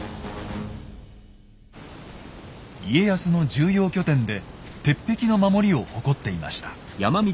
家康の重要拠点で鉄壁の守りを誇っていました。